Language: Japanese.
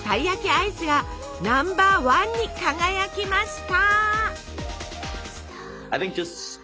アイスがナンバーワンに輝きました！